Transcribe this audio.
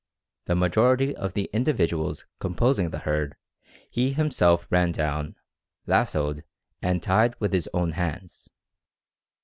The majority of the individuals composing the herd he himself ran down, lassoed, and tied with his own hands.